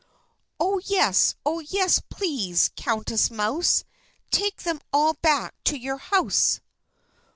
"Oh yes! oh yes! please, Countess Mouse, Take them all back to your house."